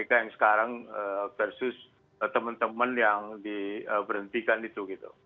dan kpk yang sekarang versus teman teman yang diberhentikan itu gitu